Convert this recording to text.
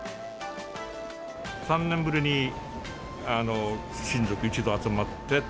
３年ぶりに親族一同集まって。